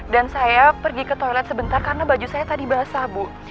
dan saya pergi ke toilet sebentar karena baju saya tadi basah bu